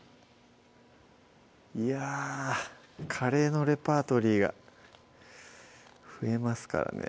いやカレーのレパートリーが増えますからね